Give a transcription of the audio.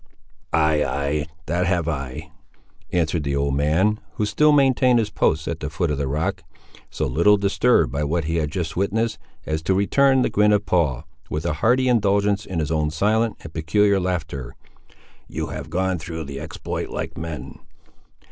"Ay, ay, that have I," answered the old man, who still maintained his post at the foot of the rock, so little disturbed by what he had just witnessed, as to return the grin of Paul, with a hearty indulgence in his own silent and peculiar laughter; "you have gone through the exploit like men!"